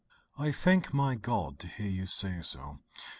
"I thank my God to hear you say so.